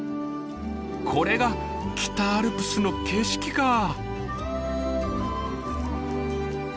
これが北アルプスの景色かぁ。